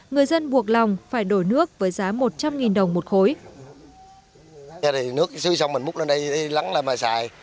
người dân buộc lòng phải đổi nước với giá một trăm linh đồng một khối